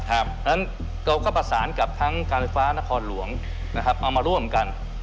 เพราะฉะนั้นเราก็ประสานกับทั้งการไฟฟ้านครหลวงเอามาร่วมกัน